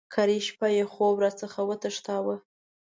کرۍ شپه یې خوب را څخه وتښتاوه.